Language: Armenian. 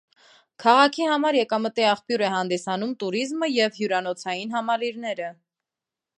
Քաղաքի համար եկամտի աղբյուր է հանդիսանում տուրիզմը և հյուրանոցային համալիրները։